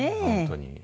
本当に。